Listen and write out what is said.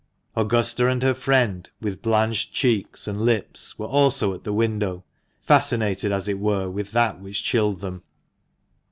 Augusta and her friend, with blanched cheeks and lips, were also at the window, fascinated as it were with that which chilled them.